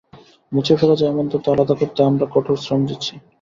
মুছে ফেলা যায় এমন তথ্য আলাদা করতে আমরা কঠোর শ্রম দিচ্ছি।